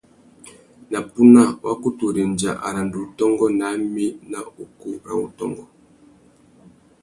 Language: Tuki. Na puna, wa kutu rendza aranda-utôngô ná mí nà ukú râ wutôngô.